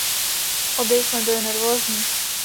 Obě jsme byly nervózní.